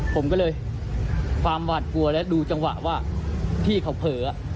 ผมก็เลยความหวาดกลัวและดูจังหวะว่าพี่เขาเผลอ